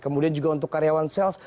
kemudian juga untuk karyawan sales